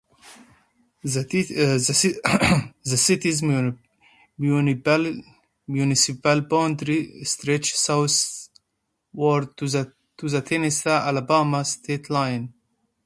The city's municipal boundary stretches southward to the Tennessee-Alabama state line.